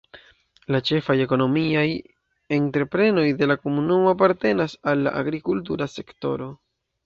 La ĉefaj ekonomiaj entreprenoj de la komunumo apartenas al la agrikultura sektoro.